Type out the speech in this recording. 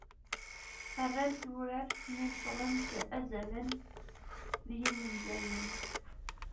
rrant urar mi neṭṭlent "azalen d yimenzayen"